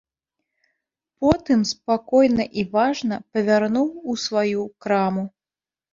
Потым спакойна і важна павярнуў у сваю краму.